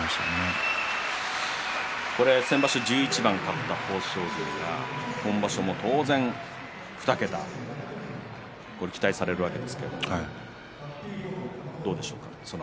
先場所は１１番勝った豊昇龍が今場所も当然、２桁期待されるわけですがどうでしょうか。